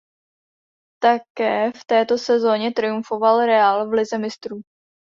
Také v této sezóně triumfoval Real v Lize mistrů.